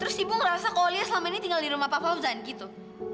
terus ibu ngerasa kalau lia selama ini tinggal di rumah pak fauzan gitu